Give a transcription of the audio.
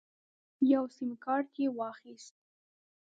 یو سیم کارت یې واخیست.